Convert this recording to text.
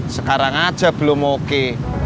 sekarang aja belum oke